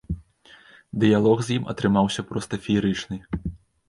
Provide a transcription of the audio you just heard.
Дыялог з ім атрымаўся проста феерычны.